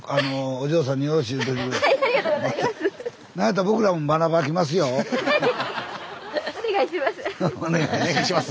「お願いします」。